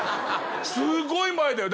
すごい前だよ。